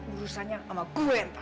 urusannya sama gue ntar